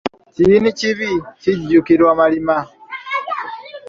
Kiyini kibi, kijjukirwa malima.